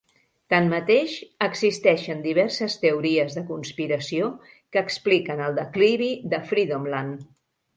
Tanmateix, existeixen diverses teories de conspiració que expliquen el declivi de Freedomland.